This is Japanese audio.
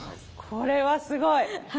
これはすごい。